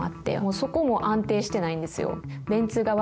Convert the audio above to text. そこも安定してないんですよ。